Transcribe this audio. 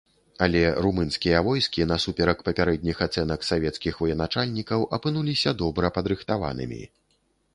Але румынскія войскі, насуперак папярэдніх ацэнак савецкіх военачальнікаў, апынуліся добра падрыхтаванымі.